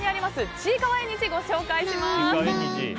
ちいかわ縁日ご紹介します。